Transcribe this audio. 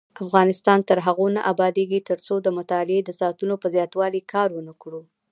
افغانستان تر هغو نه ابادیږي، ترڅو د مطالعې د ساعتونو په زیاتوالي کار ونکړو.